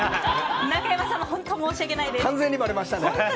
中山さんも本当に申し訳ないです。